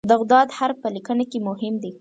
د "ض" حرف په لیکنه کې مهم دی.